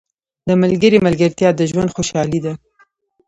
• د ملګري ملګرتیا د ژوند خوشحالي ده.